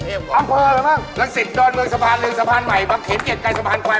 เฮ้ยจริงแล้วก่อนจะออกที่อายุทยาเนี่ย